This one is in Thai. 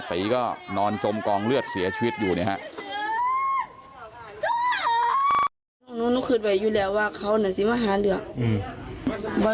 ตีก็นอนจมกองเลือดเสียชีวิตอยู่นะครับ